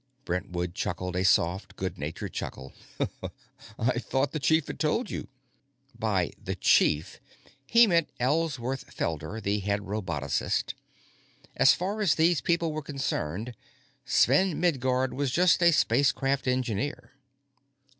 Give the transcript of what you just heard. Brentwood chuckled a soft, good humored chuckle. "I thought the Chief had told you." By "the Chief," he meant Ellsworth Felder, the head robotocist. As far as these people were concerned, Sven Midguard was just a spacecraft engineer.